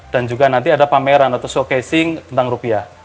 dan juga nanti ada pameran atau showcasing tentang rupiah